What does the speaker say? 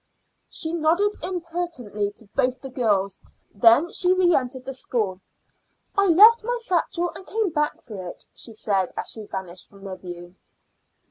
She nodded impertinently to both the girls, and then reentered the school. "I left my satchel and came back for it," she said as she vanished from their view.